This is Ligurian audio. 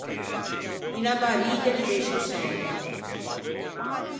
Unna barî de pescio saou.